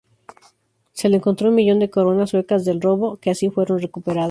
Se le encontró un millón de coronas suecas del robo, que así fueron recuperadas.